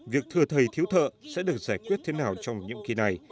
việc thừa thầy thiếu thợ sẽ được giải quyết thế nào trong nhiệm kỳ này